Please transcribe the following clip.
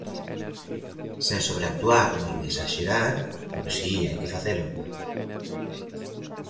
Sen sobreactuar nin esaxerar, pero si hai que facelo.